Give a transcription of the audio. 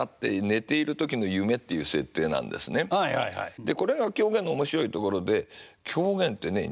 これが狂言の面白いところで狂言ってね人だけじゃなくてね